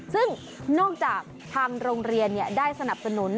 ซึ่งนอกจากทางโรงเรียนได้สนับสนุน